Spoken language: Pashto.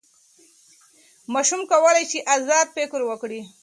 ماشوم کولی سي ازاد فکر وکړي.